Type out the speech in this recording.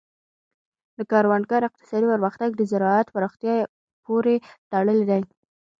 د کروندګر اقتصادي پرمختګ د زراعت پراختیا پورې تړلی دی.